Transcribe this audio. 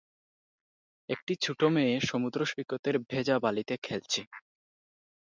একটি ছোট মেয়ে সমুদ্র সৈকতের ভেজা বালিতে খেলছে।